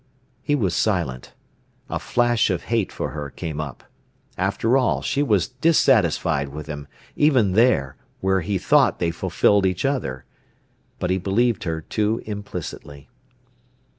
He was silent. A flash of hate for her came up. After all, she was dissatisfied with him, even there, where he thought they fulfilled each other. But he believed her too implicitly.